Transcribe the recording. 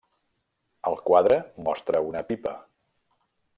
El quadre mostra una pipa.